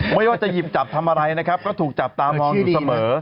ไม่ว่าจะหยิบจับทำอะไรนะครับก็ถูกจับตามองอยู่เสมอ